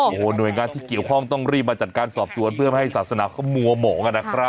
โอ้โหหน่วยงานที่เกี่ยวข้องต้องรีบมาจัดการสอบสวนเพื่อไม่ให้ศาสนาเขามัวหมองนะครับ